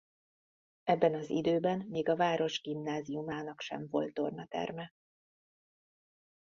Ebben az időben még a város gimnáziumának sem volt tornaterme.